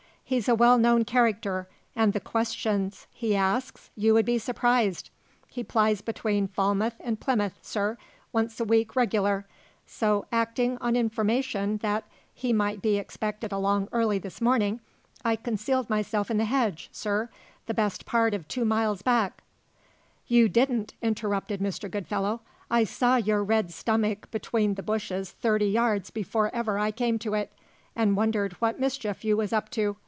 He's a well known character, an' the questions he asks you would be surprised. He plies between Falmouth and Plymouth, sir, once a week regular. So, actin' on information that he might be expected along early this morning, I concealed myself in the hedge, sir, the best part of two miles back " "You didn't," interrupted Mr. Goodfellow. "I saw your red stomach between the bushes thirty yards before ever I came to it, and wondered what mischief you was up to.